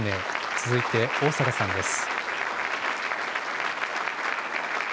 続いて、逢坂さんです。